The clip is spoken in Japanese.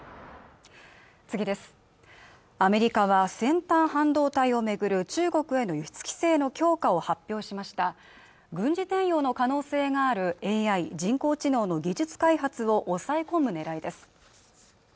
アメリカは先端半導体を巡る中国への輸出規制の強化を発表しました軍事転用の可能性があるＡＩ＝人工知能の技術開発を抑え込むねらいです